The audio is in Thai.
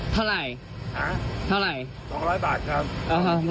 เท่าไหร่เท่าไหร่๒๐๐บาทครับ